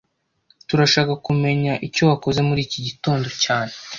Turashaka kumenya icyo wakoze muri iki gitondo cyane